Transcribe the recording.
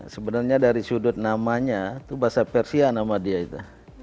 sebenarnya dari sudut namanya itu bahasa persia nama dia itu